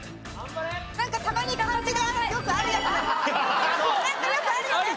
なんかたまに漢字でよくあるやつです。